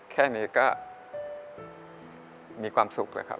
แค่นี้ก็มีความสุขเลยครับ